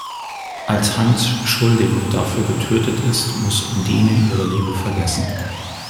Als Hans schuldig und dafür getötet ist, muss Undine ihre Liebe vergessen.